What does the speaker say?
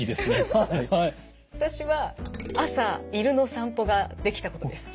私は朝犬の散歩ができたことです。